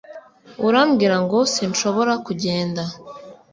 urambwira ngo sinshobora kugenda